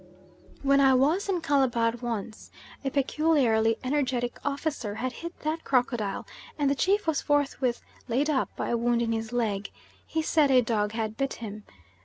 When I was in Calabar once, a peculiarly energetic officer had hit that crocodile and the chief was forthwith laid up by a wound in his leg. He said a dog had bit him.